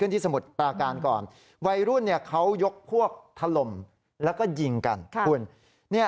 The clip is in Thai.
ที่สมดปาการก่อนเวยรุ่นนี้เขายกพวกทรลมแล้วก็ยิงกัน